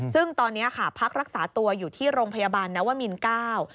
ซึ่งตอนนี้ค่ะพักรักษาตัวอยู่ที่โรงพยาบาลนวมินเก้า